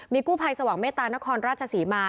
มีกู้ภัยสวัสดิ์เมตตานครราชศรีมา